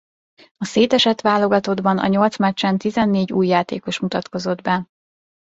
A szétesett válogatottban a nyolc meccsen tizennégy új játékos mutatkozott be.